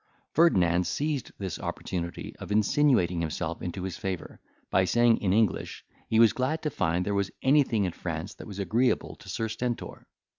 Ferdinand seized this opportunity of insinuating himself into his favour, by saying in English, he was glad to find there was anything in France that was agreeable to Sir Stentor.